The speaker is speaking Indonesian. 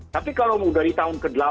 tapi kalau mau dari tahun ke delapan